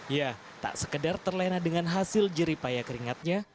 ya tak sekedar terlena dengan hasil jeripaya keringatnya